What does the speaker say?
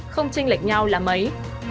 không trinh lệch nhau là mấy